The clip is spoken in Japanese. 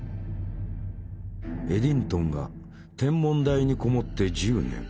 エディントンが天文台に籠もって１０年。